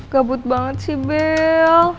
gabut banget sih bel